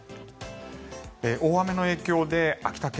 大雨の影響で秋田県